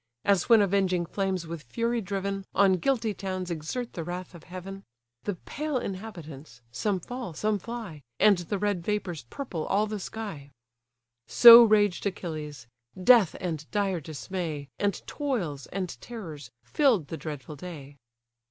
As when avenging flames with fury driven On guilty towns exert the wrath of heaven; The pale inhabitants, some fall, some fly; And the red vapours purple all the sky: So raged Achilles: death and dire dismay, And toils, and terrors, fill'd the dreadful day.